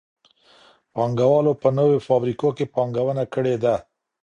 پانګوالو په نوو فابريکو کي پانګونه کړي ده.